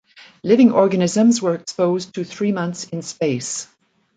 Living organisms were exposed to three months in space.